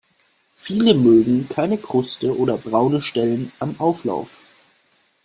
Viele mögen keine Kruste oder braune Stellen am Auflauf.